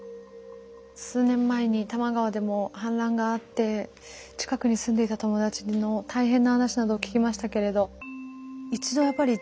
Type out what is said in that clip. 数年前に多摩川でも氾濫があって近くに住んでいた友達の大変な話などを聞きましたけれど。